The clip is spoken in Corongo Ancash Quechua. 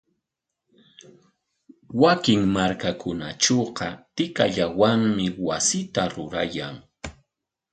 Wakin markakunatrawqa tikallawanmi wasita rurayan.